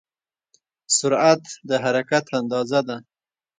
سرعت د حرکت اندازه ده.